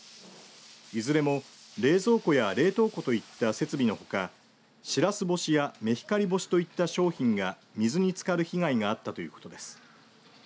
いずれも冷蔵庫や冷凍庫といった設備のほかシラス干しやメヒカリ干しといった商品が水につかる被害があったということです。